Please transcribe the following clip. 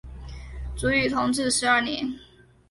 卒于同治十二年。